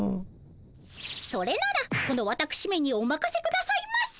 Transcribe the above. それならこのわたくしめにおまかせくださいませ。